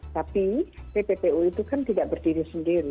tapi tppu itu kan tidak berdiri sendiri